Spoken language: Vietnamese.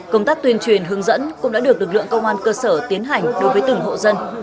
công tác tuyên truyền hướng dẫn cũng đã được lực lượng công an cơ sở tiến hành đối với từng hộ dân